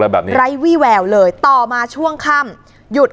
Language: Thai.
สลับผัดเปลี่ยนกันงมค้นหาต่อเนื่อง๑๐ชั่วโมงด้วยกัน